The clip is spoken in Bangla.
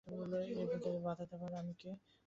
এ পূজায় বাধা দেবার আমি কে!